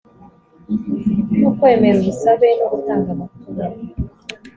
no kwemera ubusabe no gutanga amakuru